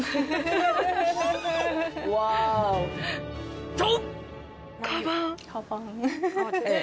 ワオ！と！